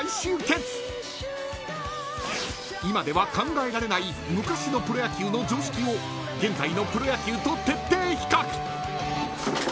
［今では考えられない昔のプロ野球の常識を現在のプロ野球と徹底比較］